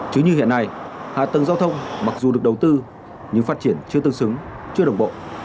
chứ như hiện nay hạ tầng giao thông mặc dù được đầu tư nhưng phát triển chưa tương xứng